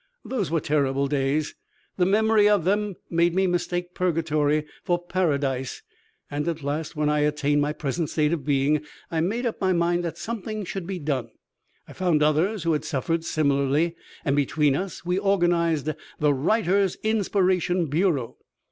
"Those were terrible days; the memory of them made me mistake purgatory for paradise, and at last when I attained my present state of being, I made up my mind that something should be done. I found others who had suffered similarly, and between us we organized 'The Writer's Inspiration Bureau.'